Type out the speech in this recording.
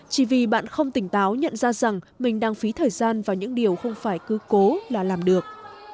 chỉ vì bạn không tỉnh táo nhận ra rằng mình đang phí thời gian vào những điều không phải cứ cố là làm được